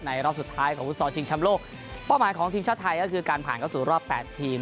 รอบสุดท้ายของฟุตซอลชิงชำโลกเป้าหมายของทีมชาติไทยก็คือการผ่านเข้าสู่รอบแปดทีม